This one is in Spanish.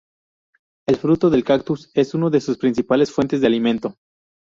El fruto del cactus es uno de sus principales fuentes de alimento.